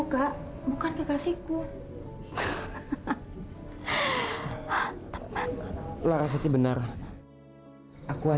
kalo bersepakat berdua